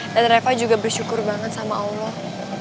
dan reva juga bersyukur banget sama allah